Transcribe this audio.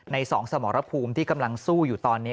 ๒สมรภูมิที่กำลังสู้อยู่ตอนนี้